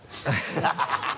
ハハハ